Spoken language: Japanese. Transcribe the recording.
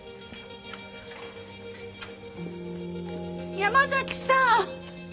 山崎さん！